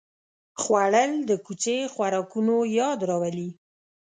خوړل د کوڅې خوراکونو یاد راولي